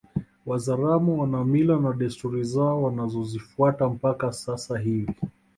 Wazaramo wana mila na desturi zao wanazozifuata mpaka sasa hivi